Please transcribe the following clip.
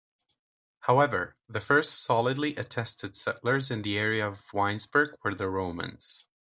However, the first solidly attested settlers in the area of Weinsberg were the Romans.